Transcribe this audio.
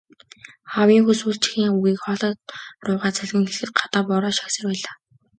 Аав ийнхүү сүүлчийнхээ үгийг хоолой руугаа залгин хэлэхэд гадаа бороо шаагьсаар байлаа.